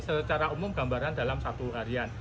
secara umum gambaran dalam satu harian